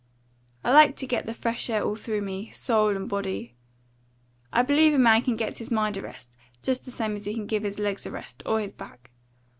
I like to get the fresh air all through me, soul and body. I believe a man can give his mind a rest, just the same as he can give his legs a rest, or his back.